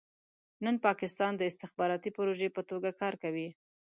نن پاکستان د استخباراتي پروژې په توګه کار کوي.